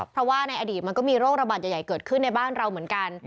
เพราะว่าในอดีตมันก็มีโรคระบาดใหญ่เกิดขึ้นในบ้านเราเหมือนกัน